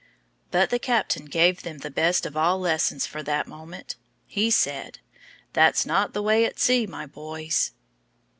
But the captain gave them the best of all lessons for that moment. He said: "That's not the way at sea, my boys."